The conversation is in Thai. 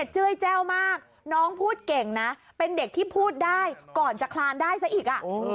เจื้อยแจ้วมากน้องพูดเก่งนะเป็นเด็กที่พูดได้ก่อนจะคลานได้ซะอีก